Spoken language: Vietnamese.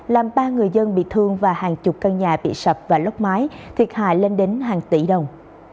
làm ba người dân bị thương và hàng chục căn nhà bị sập và lốc máy thiệt hại lên đến hàng tỷ đồng